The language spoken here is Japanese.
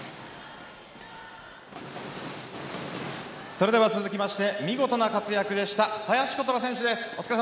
それでは続きまして見事な活躍でした林琴奈選手です。